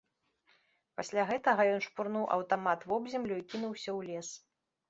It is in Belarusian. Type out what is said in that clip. Пасля гэтага ён шпурнуў аўтамат вобземлю і кінуўся ў лес.